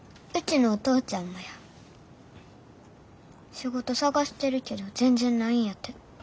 仕事探してるけど全然ないんやて。